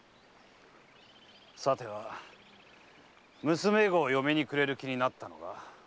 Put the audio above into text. さては娘御を嫁にくれる気になったのか？